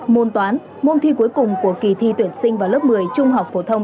môn toán môn thi cuối cùng của kỳ thi tuyển sinh vào lớp một mươi trung học phổ thông